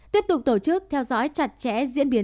tiếp tục tổ chức theo dõi chặt chẽ diễn biến